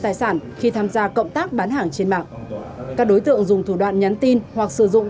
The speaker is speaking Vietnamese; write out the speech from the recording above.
tài sản khi tham gia cộng tác bán hàng trên mạng các đối tượng dùng thủ đoạn nhắn tin hoặc sử dụng